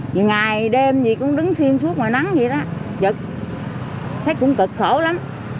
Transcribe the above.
dù ngày dù đêm gì cũng đứng xiên suốt ngoài nắng vậy đó chật thấy cũng cực khổ lắm